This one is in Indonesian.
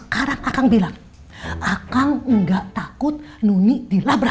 kalau emang nggak takut ma